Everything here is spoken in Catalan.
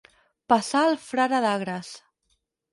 Passar el frare d'Agres.